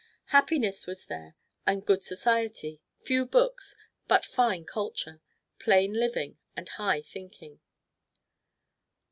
Happiness was there and good society; few books, but fine culture; plain living and high thinking.